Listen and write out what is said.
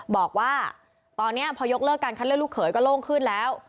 บอกว่าตอนนี้พอยกเลิกการคัดเลือกลูกเขยก็โล่งขึ้นแล้ว